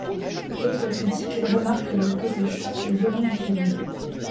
D'autres critiques remarquent le côté choc et violent du film.